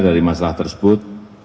dari masalah tersebut